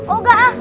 oh gak ah